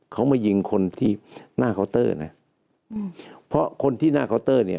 เขามายิงคนที่หน้าเคาน์เตอร์นะอืมเพราะคนที่หน้าเคาน์เตอร์เนี่ย